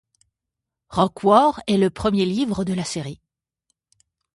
Rock War est le premier livre de la série.